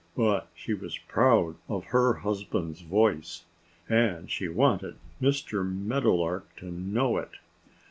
But she was proud of her husband's voice. And she wanted Mr. Meadowlark to know it.